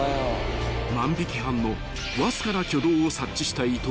［万引犯のわずかな挙動を察知した伊東］